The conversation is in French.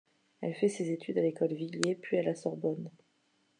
Elle fait ses études à l'École Villiers puis à la Sorbonne.